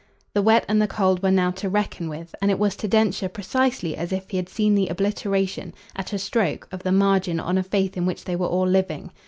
The wet and the cold were now to reckon with, and it was to Densher precisely as if he had seen the obliteration, at a stroke, of the margin on a faith in which they were all living.